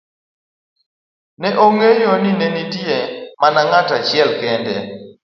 ne ong'eyo ni ne nitie mana ng'at achiel kende